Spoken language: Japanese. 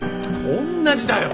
おんなじだよ。